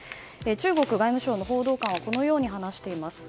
中国外務省の報道官はこのように話しています。